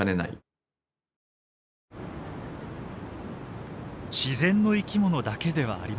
自然の生き物だけではありません。